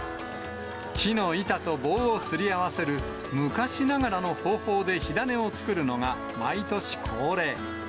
木の板と棒をすり合わせる昔ながらの方法で火種を作るのが毎年恒例。